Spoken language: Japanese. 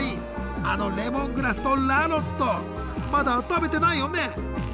あのレモングラスとラロットまだ食べてないよね？